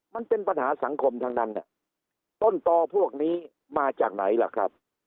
มันเป็นปัญหาสังคมทั้งนั้นต้นตอพวกนี้มาจากไหนล่ะครับ